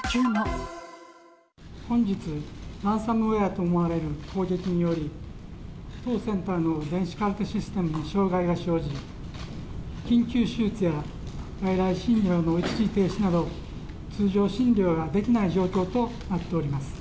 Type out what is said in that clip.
本日、ランサムウエアと思われる攻撃により、当センターの電子カルテシステムに障害が生じ、外来診療の一時停止など、通常診療ができない状況となっております。